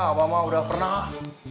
abah mah udah pernah